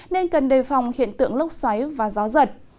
nên cần đề phòng hiện tượng lốc xoáy và gió giật